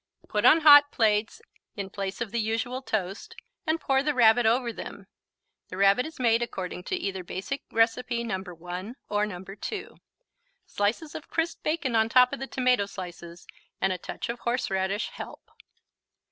Put on hot plates in place of the usual toast and pour the Rabbit over them. (The Rabbit is made according to either Basic Recipe No. 1 or No. 2.) Slices of crisp bacon on top of the tomato slices and a touch of horseradish help.